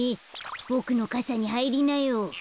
ボクのかさにはいりなよ。